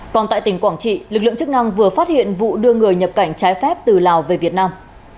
còn tại tỉnh quảng trị lực lượng chức năng vừa phát hiện vụ đưa người nhập cảnh trái phép từ lào về việt nam